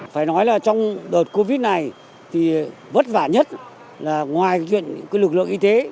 phải nói là trong đợt covid này thì vất vả nhất là ngoài chuyện lực lượng y tế